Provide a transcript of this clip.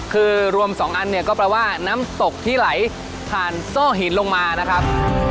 คือรวม๒อันเนี่ยก็แปลว่าน้ำตกที่ไหลผ่านโซ่หินลงมานะครับ